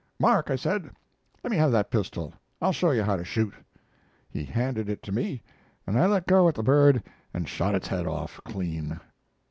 "Mark," I said, "let me have that pistol. I'll show you how to shoot." He handed it to me, and I let go at the bird and shot its head off, clean.